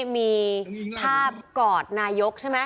มีภาพกอดนายกใช่ไหม